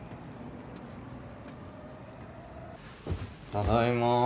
ただいま。